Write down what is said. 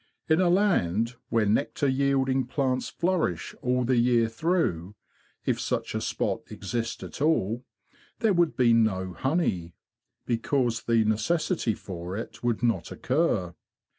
In a land where nectar yielding plants flourish all the year through, if such a spot exist at all, there would be no honey, because the necessity for it would not occur.